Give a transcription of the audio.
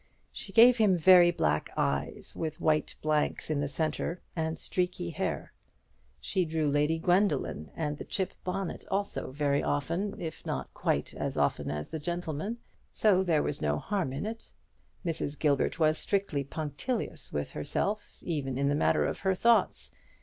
She gave him very black eyes with white blanks in the centre, and streaky hair; she drew Lady Gwendoline and the chip bonnet also very often, if not quite as often as the gentleman; so there was no harm in it. Mrs. Gilbert was strictly punctilious with herself, even in the matter of her thoughts.